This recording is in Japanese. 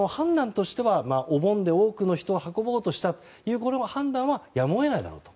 お盆で多くの人を運ぼうとしたという判断はやむを得ないだろうと。